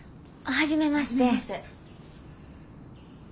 初めまして。